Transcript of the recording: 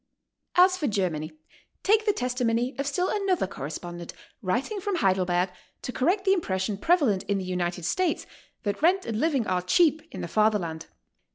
As for Germany, take the testimony of still another corre spondent, writing from Heidelberg to correct the impression prevalent in the United States that rent and living are cheap in the Fatherland.